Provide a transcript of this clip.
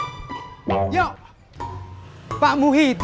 tenteng bikin banget